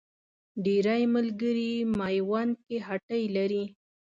ډېری ملګري میوند کې هټۍ لري.